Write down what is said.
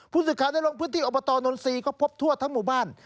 ผู้สืบขาวได้ลงพื้นที่อบตนนทรีย์